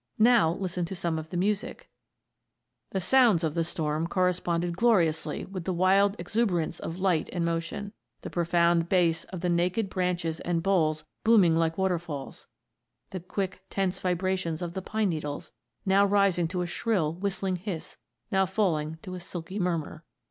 Now listen to some of the music: "The sounds of the storm corresponded gloriously with the wild exuberance of light and motion. The profound bass of the naked branches and boles booming like waterfalls, the quick, tense vibrations of the pine needles, now rising to a shrill, whistling hiss, now falling to a silky murmur.